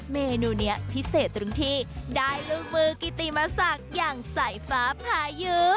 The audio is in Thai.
เมนูนี้พิเศษตรงที่ได้ลูกมือกิติมศักดิ์อย่างสายฟ้าพายุ